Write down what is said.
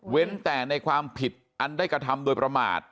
แต่ในความผิดอันได้กระทำโดยประมาท